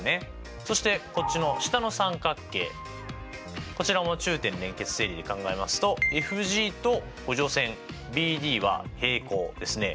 そしてこっちの下の三角形こちらも中点連結定理で考えますとＦＧと補助線ＢＤは平行ですね。